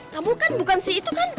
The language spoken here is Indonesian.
kamu kan bukan si itu kan